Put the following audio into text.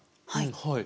はい。